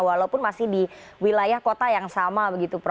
walaupun masih di wilayah kota yang sama begitu